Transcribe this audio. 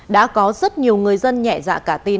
đã có rất nhiều người dân nhẹ dạ cả tin